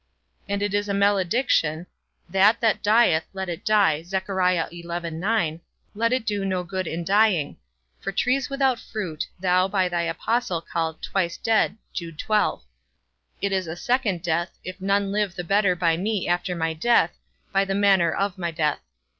And it is a malediction, That that dieth, let it die, let it do no good in dying; for trees without fruit, thou, by thy apostle, callest twice dead. It is a second death, if none live the better by me after my death, by the manner of my death.